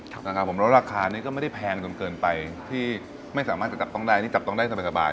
แล้วราคานี้ก็ไม่ได้แพงจนเกินไปที่ไม่สามารถจะจับต้องได้นี่จับต้องได้สบาย